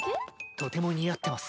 とても似合ってます。